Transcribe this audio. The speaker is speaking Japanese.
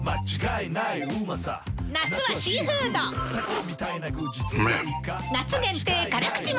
夏はシーフードうふふ！